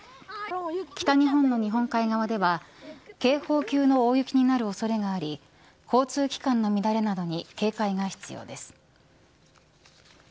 北日本の日本海側では警報級の大雪となる恐れがあり交通機関の乱れなどに警戒が必要です。